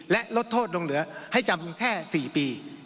และลดโทษลงเหลือให้จำแค่๔ปี